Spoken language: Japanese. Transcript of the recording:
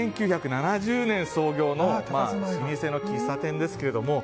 １９７０年創業の老舗の喫茶店ですが。